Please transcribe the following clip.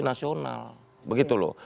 nasional begitu loh